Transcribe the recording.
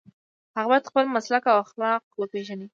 هغه باید خپل مسلک او اخلاق وپيژني.